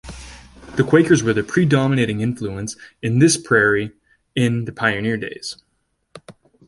The Quakers were the predominating influence in this prairie in the pioneer days.